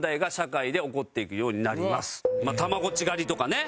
たまごっち狩りとかね。